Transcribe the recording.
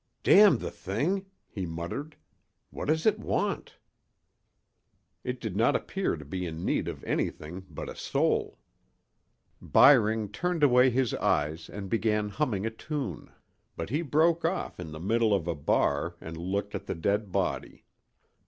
"Damn the thing!" he muttered. "What does it want?" It did not appear to be in need of anything but a soul. Byring turned away his eyes and began humming a tune, but he broke off in the middle of a bar and looked at the dead body.